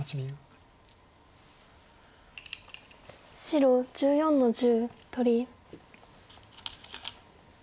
白１４の十取り。